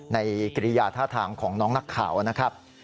กิริยาท่าทางของน้องนักข่าวนะครับ